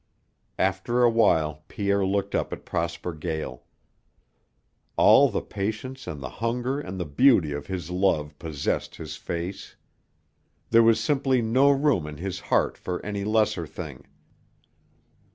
After a while Pierre looked up at Prosper Gael. All the patience and the hunger and the beauty of his love possessed his face. There was simply no room in his heart for any lesser thing.